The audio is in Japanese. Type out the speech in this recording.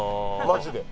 マジで。